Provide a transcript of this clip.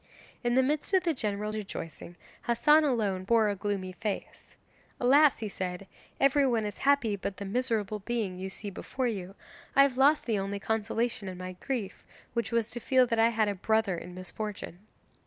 In the midst of the general rejoicing Hassan alone bore a gloomy face. 'Alas!' he said, 'everyone is happy but the miserable being you see before you. I have lost the only consolation in my grief, which was to feel that I had a brother in misfortune!